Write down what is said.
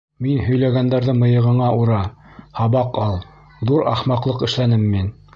Мин һөйләгәндәрҙе мыйығыңа ура, һабаҡ ал, ҙур ахмаҡлыҡ эшләнем мин.